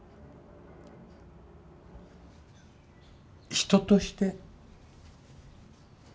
人として。